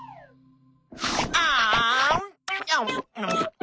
あん。